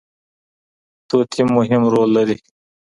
طوطي مهم رول لري.